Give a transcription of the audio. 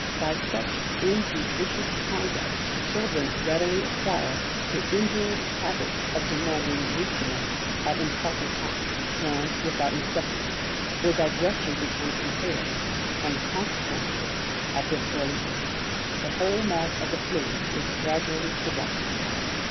By such injudicious conduct, children readily acquire the injurious habit of demanding nutriment at improper times, and without necessity; their digestion becomes impaired; and consequently, at this early age, the whole mass of the fluids is gradually corrupted.